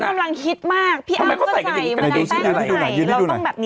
ทำไมก็ใส่ดูในดูไหน